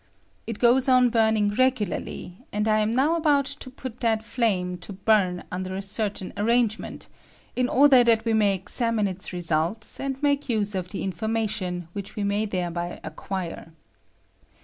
It goes on burning regularly, and I am now about to put that flame to bum under a certain ar rangement, in order that we may examine its results and make use of the information which we may thereby acquire.